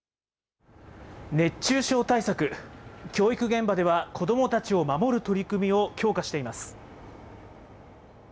熱中症対策、教育現場では子どもたちを守る取り組みを強化しています。